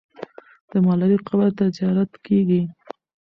د ملالۍ قبر ته زیارت کېږي.